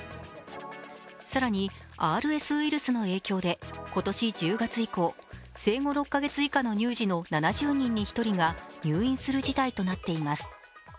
更にＲＳウイルスの影響で今年１０月以降、生後６か月以下の乳児の７０人に１人が入院する事態となっています。